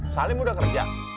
salim udah kerja